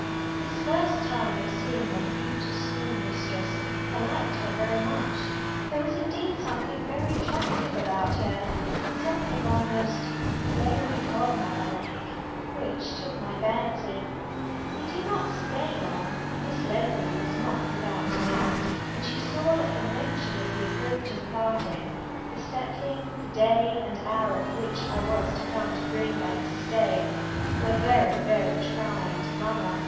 This first time of seeing my future school mistress I liked her very much. There was indeed something very attractive about her something almost "fairy godmother like" which took my fancy. We did not stay long. Miss Ledbury was not without tact, and she saw that the mention of the approaching parting, the settling the day and hour at which I was to come to Green Bank to stay, were very, very trying to mamma.